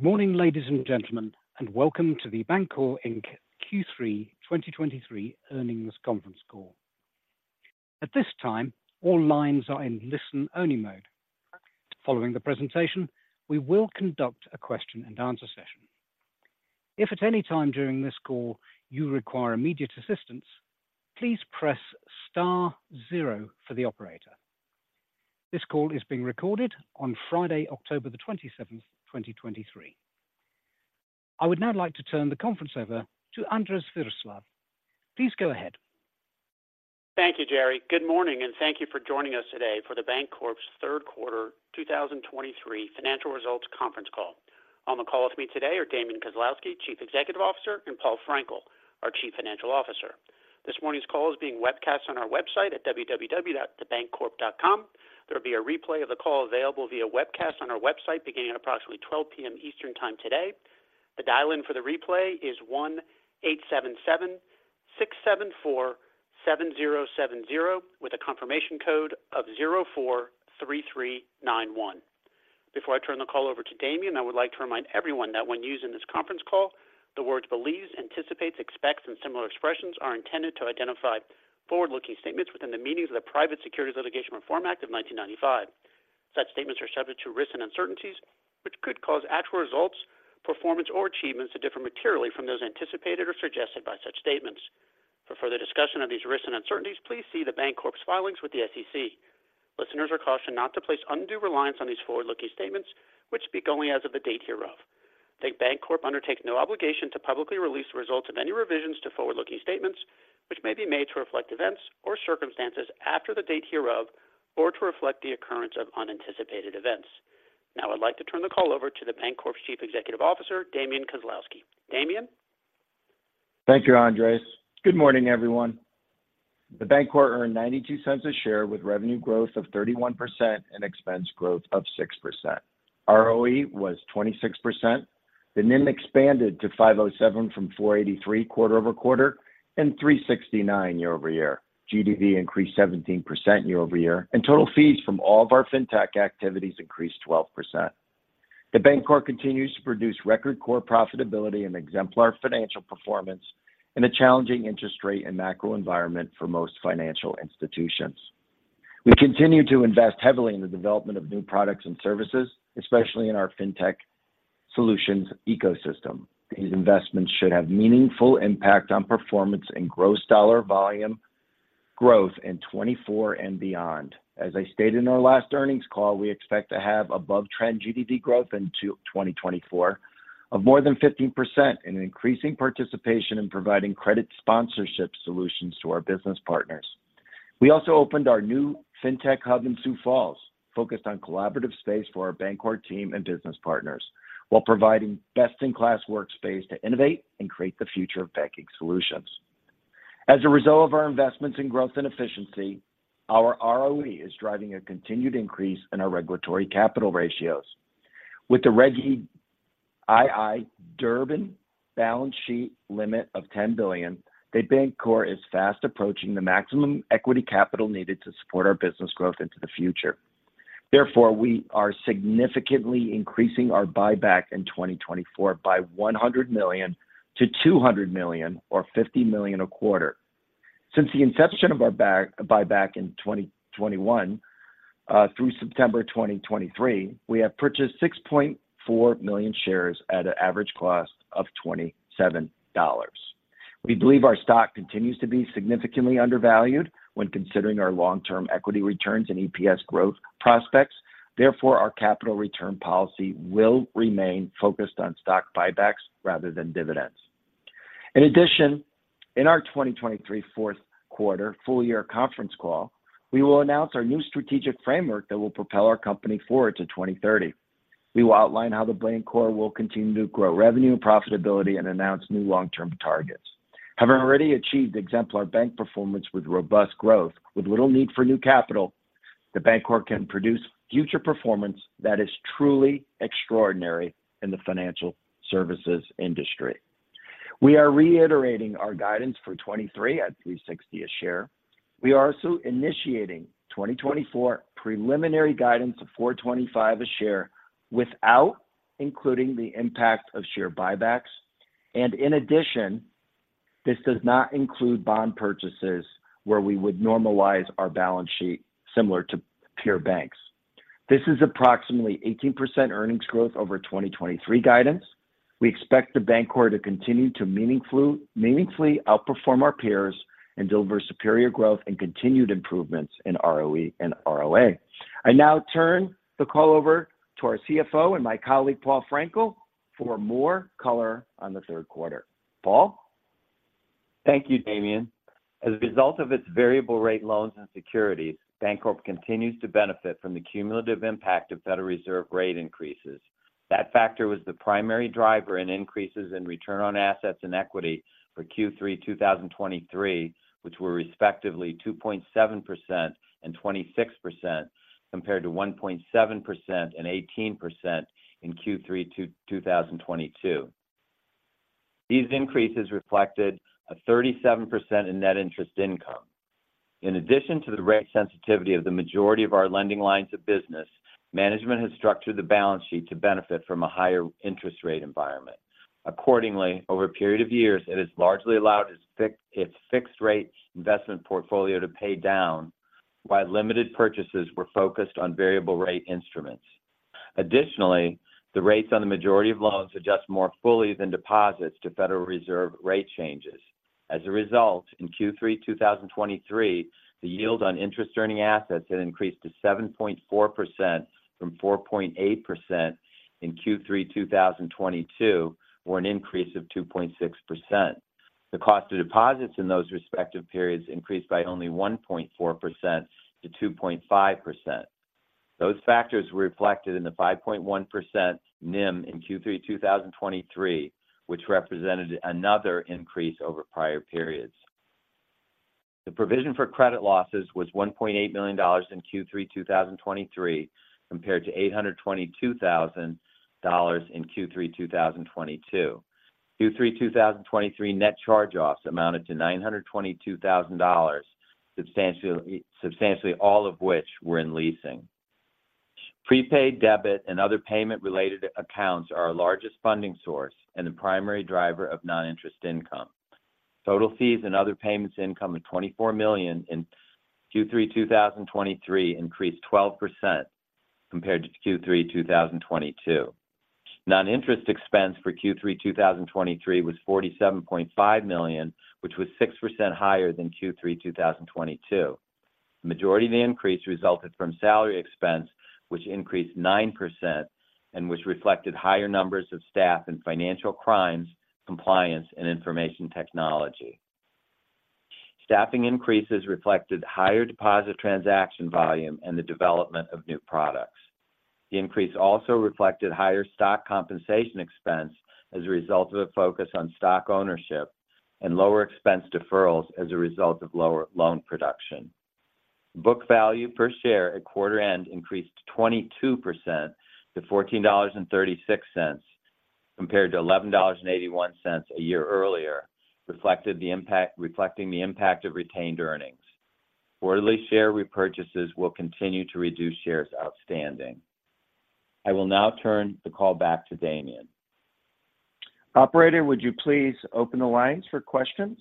Good morning, ladies and gentlemen, and welcome to The Bancorp Inc Q3 2023 earnings conference call. At this time, all lines are in listen-only mode. Following the presentation, we will conduct a question and answer session. If at any time during this call you require immediate assistance, please press star zero for the operator. This call is being recorded on Friday, October the 27th, 2023. I would now like to turn the conference over to Andres Viroslav. Please go ahead. Thank you, Jerry. Good morning, and thank you for joining us today for The Bancorp's third quarter 2023 financial results conference call. On the call with me today are Damian Kozlowski, Chief Executive Officer, and Paul Frenkiel, our Chief Financial Officer. This morning's call is being webcast on our website at www.thebancorp.com. There will be a replay of the call available via webcast on our website, beginning at approximately 12:00 P.M. Eastern Time today. The dial-in for the replay is 1-877-674-7070, with a confirmation code of 043391. Before I turn the call over to Damian, I would like to remind everyone that when used in this conference call, the words believes, anticipates, expects, and similar expressions are intended to identify forward-looking statements within the meanings of the Private Securities Litigation Reform Act of 1995. Such statements are subject to risks and uncertainties, which could cause actual results, performance, or achievements to differ materially from those anticipated or suggested by such statements. For further discussion of these risks and uncertainties, please see The Bancorp's filings with the SEC. Listeners are cautioned not to place undue reliance on these forward-looking statements, which speak only as of the date hereof. The Bancorp undertakes no obligation to publicly release the results of any revisions to forward-looking statements, which may be made to reflect events or circumstances after the date hereof, or to reflect the occurrence of unanticipated events. Now, I'd like to turn the call over to The Bancorp's Chief Executive Officer, Damian Kozlowski. Damian? Thank you, Andres. Good morning, everyone. The Bancorp earned $0.92 a share with revenue growth of 31% and expense growth of 6%. ROE was 26%. The NIM expanded to 507 from 483 quarter-over-quarter and 369 year-over-year. GDV increased 17% year-over-year, and total fees from all of our fintech activities increased 12%. The Bancorp continues to produce record core profitability and exemplary financial performance in a challenging interest rate and macro environment for most financial institutions. We continue to invest heavily in the development of new products and services, especially in our fintech solutions ecosystem. These investments should have meaningful impact on performance and gross dollar volume growth in 2024 and beyond. As I stated in our last earnings call, we expect to have above-trend GDV growth in 2024 of more than 15% and an increasing participation in providing credit sponsorship solutions to our business partners. We also opened our new fintech hub in Sioux Falls, focused on collaborative space for our Bancorp team and business partners, while providing best-in-class workspace to innovate and create the future of banking solutions. As a result of our investments in growth and efficiency, our ROE is driving a continued increase in our regulatory capital ratios. With the Reg II Durbin balance sheet limit of $10 billion, the Bancorp is fast approaching the maximum equity capital needed to support our business growth into the future. Therefore, we are significantly increasing our buyback in 2024 by $100 million-$200 million or $50 million a quarter. Since the inception of our buyback in 2021 through September 2023, we have purchased 6.4 million shares at an average cost of $27. We believe our stock continues to be significantly undervalued when considering our long-term equity returns and EPS growth prospects. Therefore, our capital return policy will remain focused on stock buybacks rather than dividends. In addition, in our 2023 fourth quarter full year conference call, we will announce our new strategic framework that will propel our company forward to 2030. We will outline how The Bancorp will continue to grow revenue and profitability and announce new long-term targets. Having already achieved exemplar bank performance with robust growth, with little need for new capital, The Bancorp can produce future performance that is truly extraordinary in the financial services industry. We are reiterating our guidance for 2023 at $3.60 a share. We are also initiating 2024 preliminary guidance of $4.25 a share without including the impact of share buybacks. In addition, this does not include bond purchases where we would normalize our balance sheet similar to peer banks. This is approximately 18% earnings growth over 2023 guidance. We expect The Bancorp to continue to meaningfully outperform our peers and deliver superior growth and continued improvements in ROE and ROA. I now turn the call over to our CFO and my colleague, Paul Frenkiel, for more color on the third quarter. Paul? Thank you, Damian. As a result of its variable rate loans and securities, Bancorp continues to benefit from the cumulative impact of Federal Reserve rate increases. That factor was the primary driver in increases in return on assets and equity for Q3 2023, which were respectively 2.7% and 26%, compared to 1.7% and 18% in Q3 2022. These increases reflected a 37% in net interest income. In addition to the rate sensitivity of the majority of our lending lines of business, management has structured the balance sheet to benefit from a higher interest rate environment. Accordingly, over a period of years, it has largely allowed its fixed rate investment portfolio to pay down, while limited purchases were focused on variable rate instruments. Additionally, the rates on the majority of loans adjust more fully than deposits to Federal Reserve rate changes. As a result, in Q3 2023, the yield on interest-earning assets had increased to 7.4% from 4.8% in Q3 2022, or an increase of 2.6%. The cost of deposits in those respective periods increased by only 1.4% to 2.5%. Those factors were reflected in the 5.1% NIM in Q3 2023, which represented another increase over prior periods. The provision for credit losses was $1.8 million in Q3 2023, compared to $822,000 in Q3 2022. Q3 2023 net charge-offs amounted to $922,000, substantially all of which were in leasing. Prepaid debit and other payment-related accounts are our largest funding source and the primary driver of non-interest income. Total fees and other payments income of $24 million in Q3 2023 increased 12% compared to Q3 2022. Non-interest expense for Q3 2023 was $47.5 million, which was 6% higher than Q3 2022. The majority of the increase resulted from salary expense, which increased 9% and which reflected higher numbers of staff in financial crimes, compliance, and information technology. Staffing increases reflected higher deposit transaction volume and the development of new products. The increase also reflected higher stock compensation expense as a result of a focus on stock ownership and lower expense deferrals as a result of lower loan production. Book value per share at quarter end increased 22% to $14.36, compared to $11.81 a year earlier, reflecting the impact of retained earnings. Quarterly share repurchases will continue to reduce shares outstanding. I will now turn the call back to Damian. Operator, would you please open the lines for questions?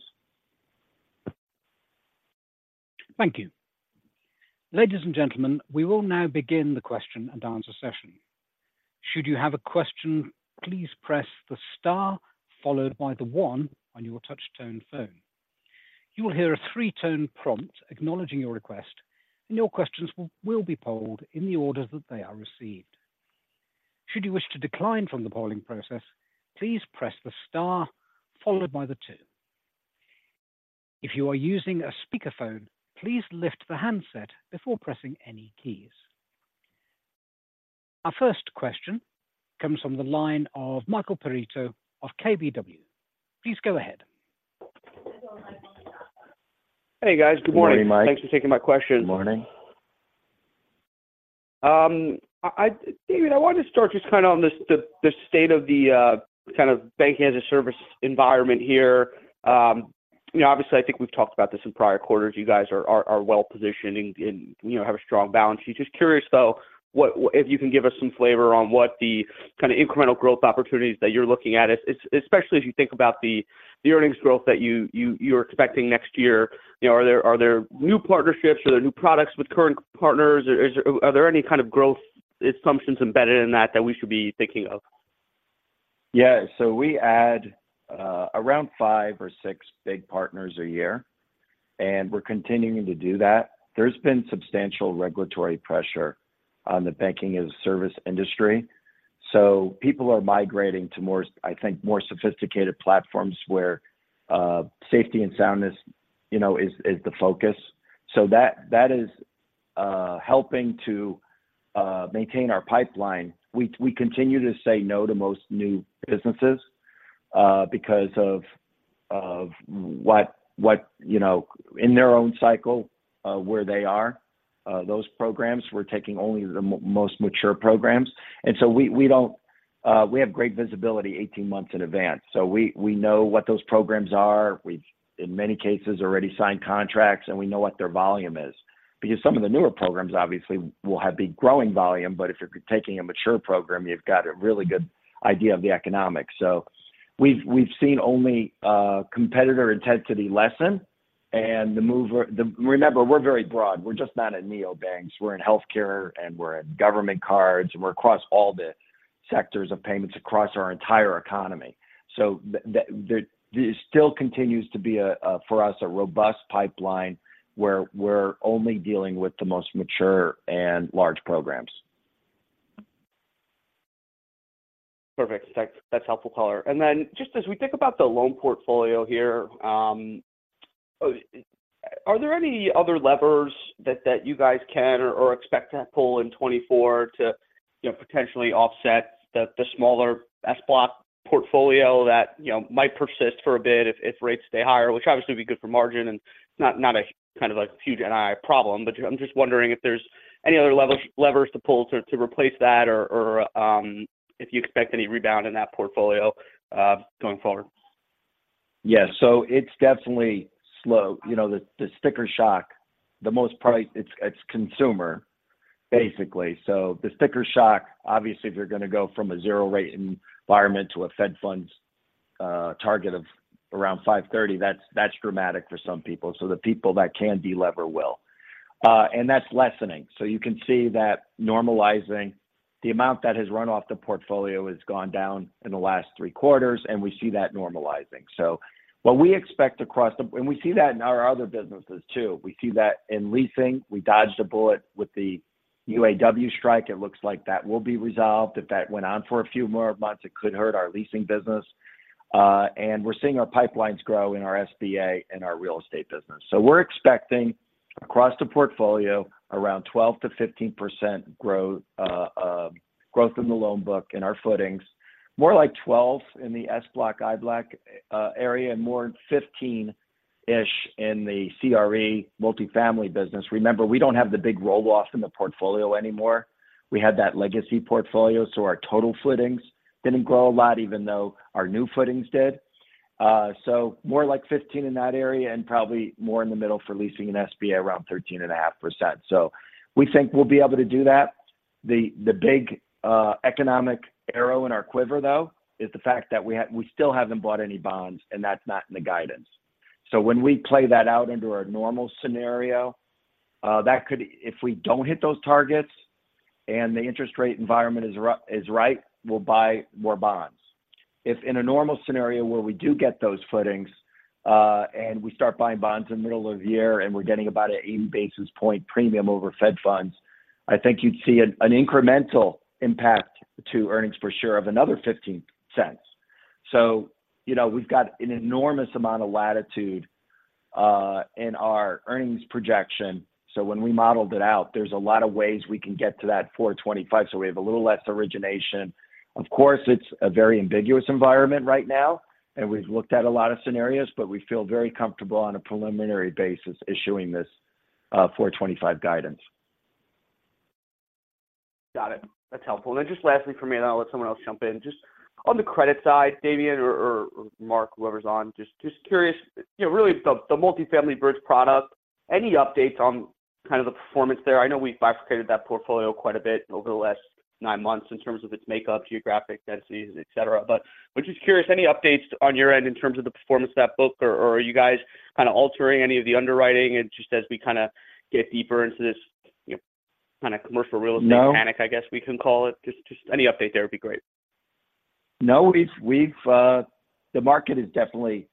Thank you. Ladies and gentlemen, we will now begin the question and answer session. Should you have a question, please press the star followed by the one on your touch tone phone. You will hear a three-tone prompt acknowledging your request, and your questions will be polled in the order that they are received. Should you wish to decline from the polling process, please press the star followed by the two. If you are using a speakerphone, please lift the handset before pressing any keys. Our first question comes from the line of Michael Perito of KBW. Please go ahead. Hey, guys. Good morning. Good morning, Mike. Thanks for taking my question. Good morning. Damian, I wanted to start just kind of on the state of the kind of banking as a service environment here. You know, obviously, I think we've talked about this in prior quarters. You guys are well positioned and, you know, have a strong balance sheet. Just curious, though, what if you can give us some flavor on what the kind of incremental growth opportunities that you're looking at is, especially as you think about the earnings growth that you're expecting next year. You know, are there new partnerships? Are there new products with current partners, or are there any kind of growth assumptions embedded in that that we should be thinking of? Yeah, so we add around five or six big partners a year, and we're continuing to do that. There's been substantial regulatory pressure on the Banking-as-a-Service industry, so people are migrating to more, I think, more sophisticated platforms where safety and soundness, you know, is the focus. So that is helping to maintain our pipeline. We continue to say no to most new businesses because of what, you know, in their own cycle where they are, those programs. We're taking only the most mature programs. We have great visibility 18 months in advance. So we know what those programs are. We've, in many cases, already signed contracts, and we know what their volume is. Because some of the newer programs obviously will have big growing volume, but if you're taking a mature program, you've got a really good idea of the economics. So we've seen only competitor intensity lessen, and the move. Remember, we're very broad. We're just not in neobanks. We're in healthcare, and we're in government cards, and we're across all the sectors of payments across our entire economy. So there still continues to be a, for us, a robust pipeline where we're only dealing with the most mature and large programs. Perfect. That's helpful color. And then, just as we think about the loan portfolio here, are there any other levers that you guys can or expect to pull in 2024 to, you know, potentially offset the smaller SBLOC portfolio that, you know, might persist for a bit if rates stay higher, which obviously would be good for margin and not a kind of a huge NII problem. But I'm just wondering if there's any other levers to pull to replace that or if you expect any rebound in that portfolio going forward? Yeah, so it's definitely slow. You know, the sticker shock, the most probably—it's consumer, basically. So the sticker shock, obviously, if you're gonna go from a zero rate environment to a Fed funds target of around 5.30, that's dramatic for some people. So the people that can de-lever will. And that's lessening. So you can see that normalizing the amount that has run off the portfolio has gone down in the last three quarters, and we see that normalizing. So what we expect across the— and we see that in our other businesses, too. We see that in leasing. We dodged a bullet with the UAW strike. It looks like that will be resolved. If that went on for a few more months, it could hurt our leasing business. And we're seeing our pipelines grow in our SBA and our real estate business. So we're expecting, across the portfolio, around 12%-15% growth in the loan book in our footings. More like 12 in the SBLOC, IBLOC area, and more 15-ish in the CRE multifamily business. Remember, we don't have the big roll-offs in the portfolio anymore. We had that legacy portfolio, so our total footings didn't grow a lot, even though our new footings did. So more like 15 in that area, and probably more in the middle for leasing and SBA, around 13.5%. So we think we'll be able to do that. The big economic arrow in our quiver, though, is the fact that we have, we still haven't bought any bonds, and that's not in the guidance. So when we play that out into our normal scenario, that could. If we don't hit those targets and the interest rate environment is right, we'll buy more bonds. If in a normal scenario where we do get those footings, and we start buying bonds in the middle of the year, and we're getting about an 80 basis point premium over Fed Funds, I think you'd see an incremental impact to earnings for sure, of another $0.15. So, you know, we've got an enormous amount of latitude in our earnings projection. So when we modeled it out, there's a lot of ways we can get to that $4.25, so we have a little less origination. Of course, it's a very ambiguous environment right now, and we've looked at a lot of scenarios, but we feel very comfortable on a preliminary basis issuing this $4.25 guidance. Got it. That's helpful. And then just lastly for me, and I'll let someone else jump in, just on the credit side, Damian or Mark, whoever's on, just curious, you know, really the multifamily bridge product, any updates on kind of the performance there? I know we've bifurcated that portfolio quite a bit over the last nine months in terms of its makeup, geographic densities, et cetera. But I'm just curious, any updates on your end in terms of the performance of that book, or are you guys kind of altering any of the underwriting and just as we kind of get deeper into this, you know, kind of commercial real estate- No... panic, I guess we can call it? Just, just any update there would be great. No, we've. The market has definitely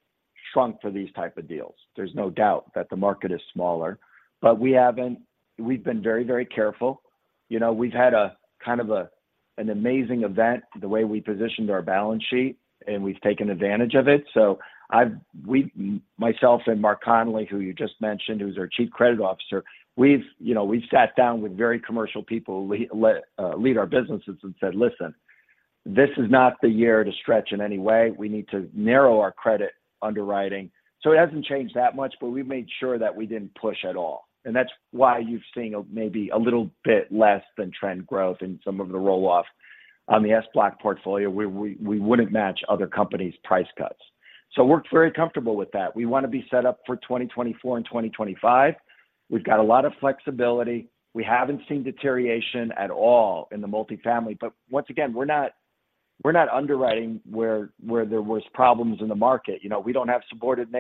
shrunk for these type of deals. There's no doubt that the market is smaller, but we haven't—we've been very, very careful. You know, we've had a kind of an amazing event, the way we positioned our balance sheet, and we've taken advantage of it. So myself and Mark Connolly, who you just mentioned, who's our Chief Credit Officer, we've, you know, we've sat down with very commercial people who lead our businesses and said, "Listen, this is not the year to stretch in any way. We need to narrow our credit underwriting." So it hasn't changed that much, but we've made sure that we didn't push at all. And that's why you've seen maybe a little bit less than trend growth in some of the roll-off on the SBLOC portfolio, where we wouldn't match other companies' price cuts. So we're very comfortable with that. We want to be set up for 2024 and 2025. We've got a lot of flexibility. We haven't seen deterioration at all in the multifamily, but once again, we're not underwriting where there was problems in the market. You know, we don't have subordinate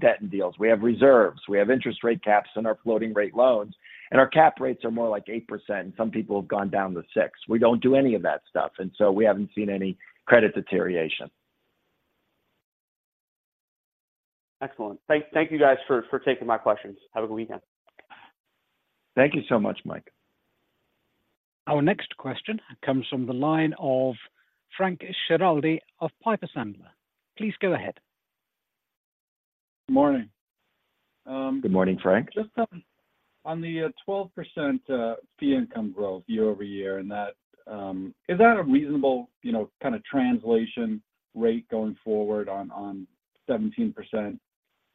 debt in deals. We have reserves. We have interest rate caps in our floating-rate loans, and our cap rates are more like 8%, and some people have gone down to 6%. We don't do any of that stuff, and so we haven't seen any credit deterioration. Excellent. Thank you guys for taking my questions. Have a good weekend. Thank you so much, Mike. Our next question comes from the line of Frank Schiraldi of Piper Sandler. Please go ahead. Good morning. Good morning, Frank. Just on the 12% fee income growth year-over-year, and that... Is that a reasonable, you know, kind of translation rate going forward on the 17%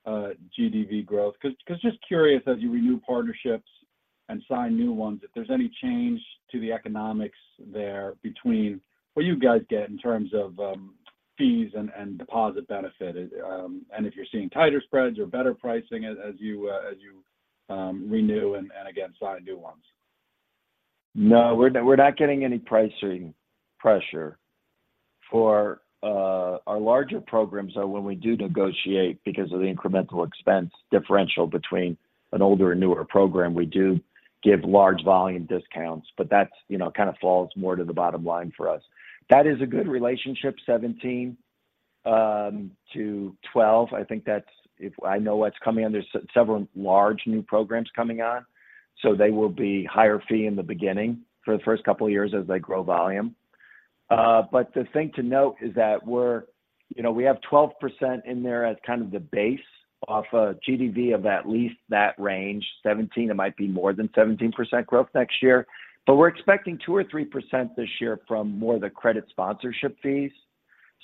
GDV growth? 'Cause just curious, as you renew partnerships and sign new ones, if there's any change to the economics there between what you guys get in terms of fees and deposit benefit, and if you're seeing tighter spreads or better pricing as you renew and again sign new ones. No, we're not, we're not getting any pricing pressure. For our larger programs, though, when we do negotiate, because of the incremental expense differential between an older and newer program, we do give large volume discounts, but that's, you know, kind of falls more to the bottom line for us. That is a good relationship, 17%-12%. I think that's if I know what's coming on, there's several large new programs coming on, so they will be higher fee in the beginning for the first couple of years as they grow volume. But the thing to note is that we're, you know, we have 12% in there as kind of the base off a GDV of at least that range. 17%, it might be more than 17% growth next year, but we're expecting 2%-3% this year from more of the credit sponsorship fees.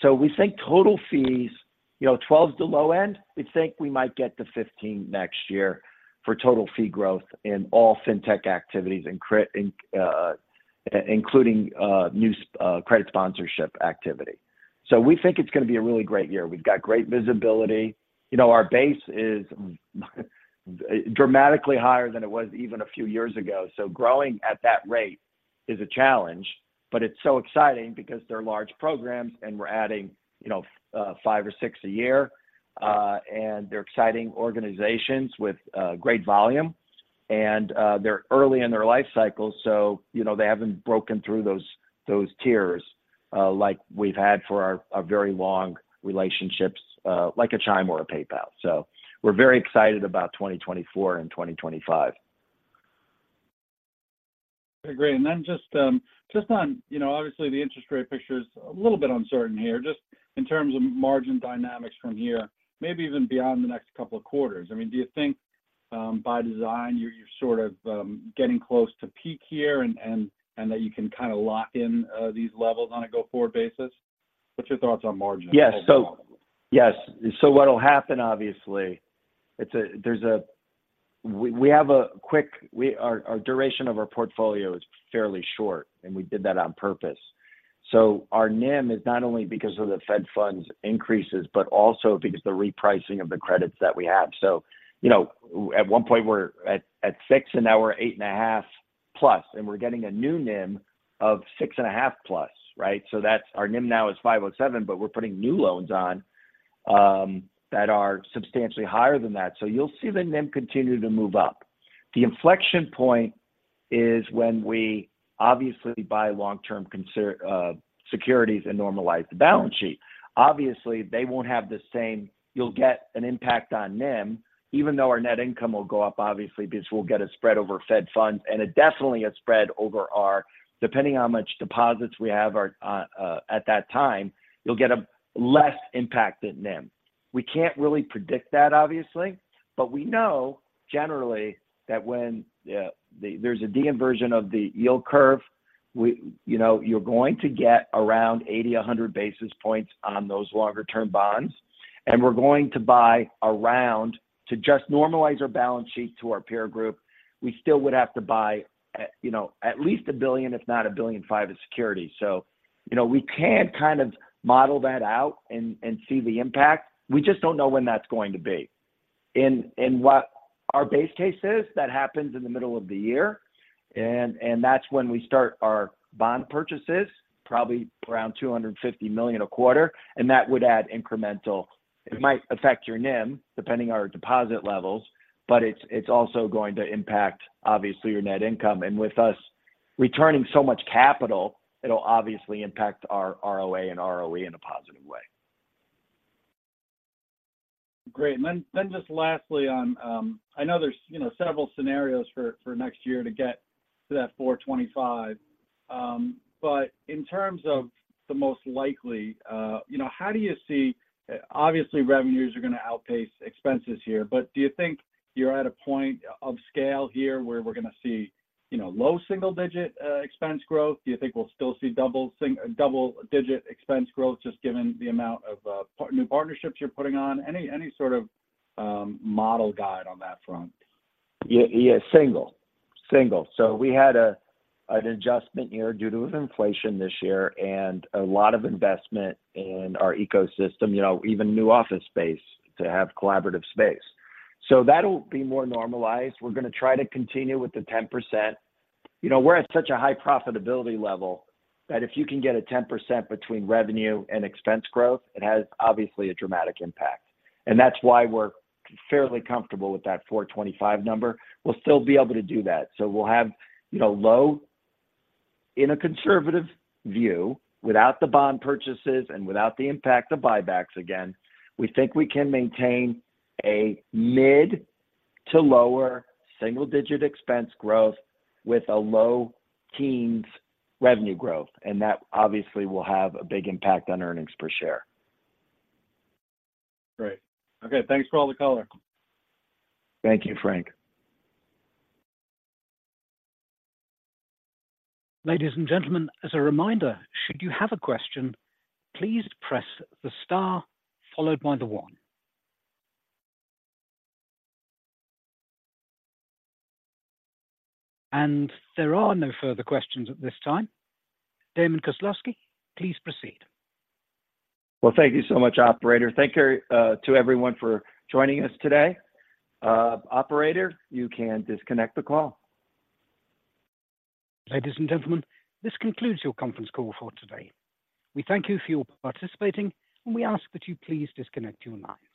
So we think total fees, you know, 12's the low end. We think we might get to 15 next year for total fee growth in all fintech activities, including new credit sponsorship activity. So we think it's going to be a really great year. We've got great visibility. You know, our base is dramatically higher than it was even a few years ago. So growing at that rate is a challenge, but it's so exciting because they're large programs, and we're adding, you know, five or six a year. And they're exciting organizations with great volume, and they're early in their life cycle, so, you know, they haven't broken through those, those tiers, like we've had for our, our very long relationships, like a Chime or a PayPal. So we're very excited about 2024 and 2025. Great. And then just on, you know, obviously, the interest rate picture is a little bit uncertain here, just in terms of margin dynamics from here, maybe even beyond the next couple of quarters. I mean, do you think, by design, you're sort of getting close to peak here and that you can kind of lock in these levels on a go-forward basis? What's your thoughts on margin? Yes. Yes. What'll happen, obviously, it's a- there's a- we, we have a quick... We, our, our duration of our portfolio is fairly short, and we did that on purpose. Our NIM is not only because of the Fed funds increases, but also because the repricing of the credits that we have. You know, at one point, we're at 6, and now we're 8.5+, and we're getting a new NIM of 6.5+, right? That's- our NIM now is 5.7, but we're putting new loans on that are substantially higher than that. You'll see the NIM continue to move up. The inflection point is when we obviously buy long-term securities and normalize the balance sheet. Obviously, they won't have the same. You'll get an impact on NIM, even though our net income will go up, obviously, because we'll get a spread over Fed funds, and it definitely a spread over our. Depending on much deposits we have our at that time, you'll get a less impact at NIM. We can't really predict that, obviously, but we know, generally, that when there's a de-inversion of the yield curve, you know, you're going to get around 80-100 basis points on those longer-term bonds. And we're going to buy around to just normalize our balance sheet to our peer group. We still would have to buy, you know, at least $1 billion, if not $1.5 billion of securities. So, you know, we can kind of model that out and see the impact. We just don't know when that's going to be. And what our base case is, that happens in the middle of the year, and that's when we start our bond purchases, probably around $250 million a quarter, and that would add incremental. It might affect your NIM, depending on our deposit levels, but it's also going to impact, obviously, your net income. And with us returning so much capital, it'll obviously impact our ROA and ROE in a positive way. Great. And then just lastly on, I know there's, you know, several scenarios for next year to get to that $4.25, but in terms of the most likely, you know, how do you see, obviously, revenues are going to outpace expenses here, but do you think you're at a point of scale here where we're going to see, you know, low single-digit expense growth? Do you think we'll still see double-digit expense growth, just given the amount of new partnerships you're putting on? Any sort of model guide on that front? Yeah, yeah, single. Single. So we had an adjustment year due to inflation this year and a lot of investment in our ecosystem, you know, even new office space to have collaborative space. So that'll be more normalized. We're gonna try to continue with the 10%. You know, we're at such a high profitability level that if you can get a 10% between revenue and expense growth, it has, obviously, a dramatic impact. And that's why we're fairly comfortable with that $4.25 number. We'll still be able to do that. So we'll have, you know, low... In a conservative view, without the bond purchases and without the impact of buybacks again, we think we can maintain a mid- to lower single-digit expense growth with a low teens revenue growth, and that obviously will have a big impact on earnings per share. Great. Okay, thanks for all the color. Thank you, Frank. Ladies and gentlemen, as a reminder, should you have a question, please press the star followed by the one. There are no further questions at this time. Damian Kozlowski, please proceed. Well, thank you so much, operator. Thank you to everyone for joining us today. Operator, you can disconnect the call. Ladies and gentlemen, this concludes your conference call for today. We thank you for participating, and we ask that you please disconnect your lines.